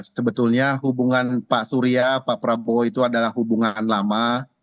sebetulnya hubungan pak surya pak prabowo itu adalah hubungan lama